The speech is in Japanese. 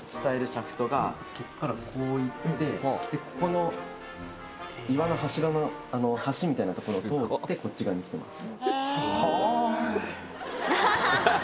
ここからこういってでここの岩の柱のあの橋みたいなところを通ってこっち側にきてます